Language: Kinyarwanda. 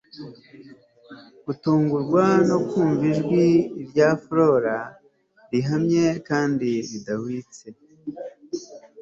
gutungurwa no kumva ijwi rya flora, rihamye kandi ridahwitse